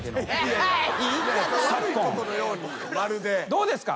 どうですか？